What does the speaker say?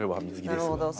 なるほど。